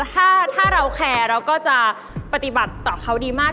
ถ้าเราแคร์เราก็จะปฏิบัติต่อเขาดีมาก